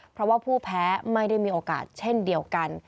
เพราะว่าผู้แพ้ไม่ได้มีโอกาสเช่นเดียวกัน